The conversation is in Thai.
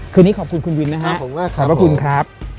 คืนนี้ขอบคุณคุณวินนะครับขอบคุณมากครับ